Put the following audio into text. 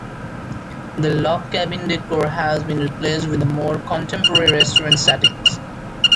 The log cabin decor has been replaced with a more contemporary restaurant setting.